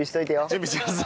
準備します。